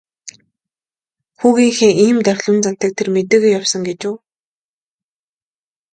Хүүгийнхээ ийм давилуун зантайг тэр мэдээгүй явсан гэж үү.